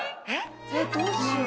えっどうしよう。